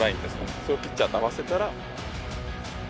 それをピッチャーと合わせたら。